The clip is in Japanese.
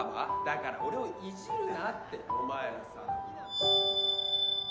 だから俺をイジるなってお前らさあ